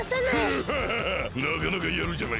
ヌハハハなかなかやるじゃないか！